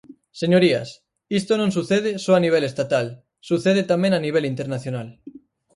Señorías, isto non sucede só a nivel estatal, sucede tamén a nivel internacional.